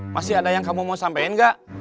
masih ada yang kamu mau sampaikan gak